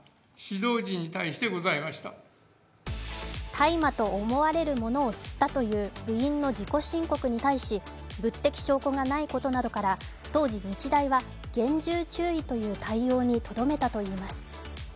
大麻と思われるものを吸ったという部員の自己申告に対し物的証拠がないことなどから、当時、日大は厳重注意という対応にとどめたといいます。